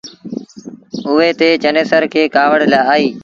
اُئي تي چنيسر کي ڪآوڙ آئيٚ۔